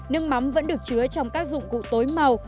nước mắm vẫn được chứa trong các dụng cụ tối màu